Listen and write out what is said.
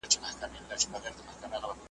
پرښاخونو به مو پېغلي ټالېدلای .